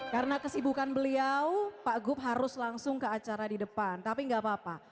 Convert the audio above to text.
karena kesibukan beliau pak gub harus langsung ke acara di depan tapi gak apa apa